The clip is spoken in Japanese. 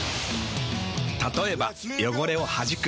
たとえば汚れをはじく。